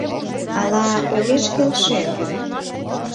— Ала огеш келше?